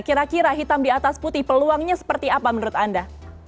kira kira hitam di atas putih peluangnya seperti apa menurut anda